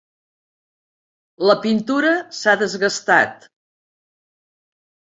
La pintura s'ha desgastat.